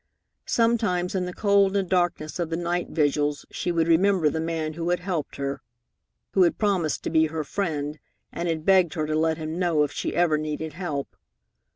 Sometimes in the cold and darkness of the night vigils she would remember the man who had helped her, who had promised to be her friend, and had begged her to let him know if she ever needed help.